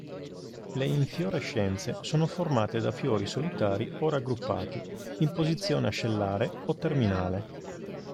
Le infiorescenze sono formate da fiori solitari o raggruppati in posizione ascellare o terminale.